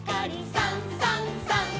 「さんさんさん」